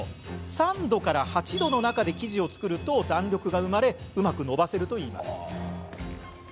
３度から８度の中で生地を作ると弾力が生まれうまく伸ばせるといいます。